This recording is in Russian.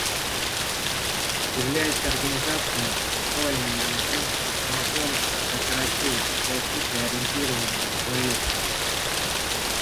Являясь организациями, построенными на принципе самопомощи, кооперативы по своей сути ориентированы на человека.